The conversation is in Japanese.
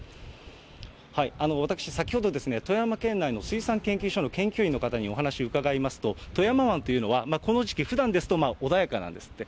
私、先ほど、富山県内の水産研究所の研究員の方にお話伺いますと、富山湾というのはこの時期、ふだんですと穏やかなんですって。